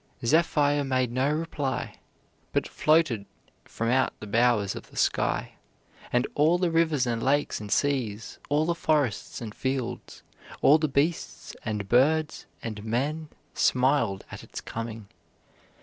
Zephyr made no reply, but floated from out the bowers of the sky, and all the rivers and lakes and seas, all the forests and fields, all the beasts and birds and men smiled at its coming.